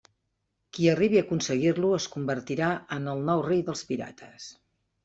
Qui arribi a aconseguir-lo es convertirà en el nou rei dels pirates.